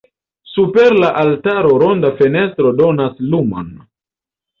Super la altaro ronda fenestro donas lumon.